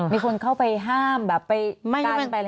มีคนเข้าไปห้ามแบบไปกายไปอะไรไหม